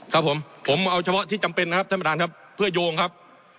ครับผมผมเอาเฉพาะที่จำเป็นนะครับท่านประธานครับเพื่อโยงครับ